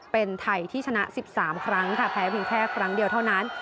เป็นไทยที่ชนะ๑๓ครั้งค่ะแพ้เพียงแค่ครั้งเดียวเท่านั้น